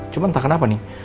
cuma entah kenapa nih